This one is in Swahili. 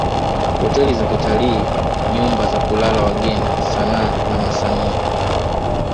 Hoteli za kitalii nyumba za kulala wageni sanaa na wasanii